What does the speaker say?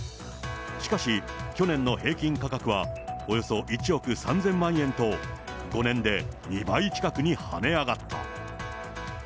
しかし、去年の平均価格はおよそ１億３０００万円と、５年で２倍近くに跳ね上がった。